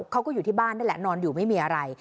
เขาก็อยู่ที่บ้านนี่แหละนอนอยู่ไม่มีอะไร